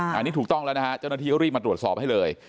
อันนี้ถูกต้องแล้วนะฮะเจ้าหน้าที่เขารีบมาตรวจสอบให้เลย